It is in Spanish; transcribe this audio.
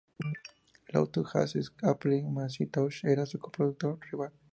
Lotus Jazz en Apple Macintosh era su producto rival.